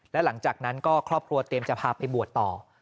และหลังจากนั้นก็ครอบครัวเตรียมจะพาไปบวชต่อ